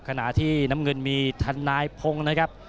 ขณะที่น้ำเงินมีทนายพงศ์นะครับ